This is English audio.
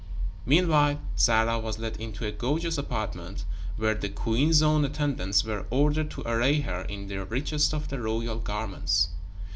Meanwhile, Sarah was led into a gorgeous apartment where the queen's own attendants were ordered to array her in the richest of the royal garments.